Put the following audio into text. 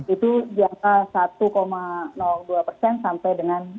itu di angka satu dua persen sampai dengan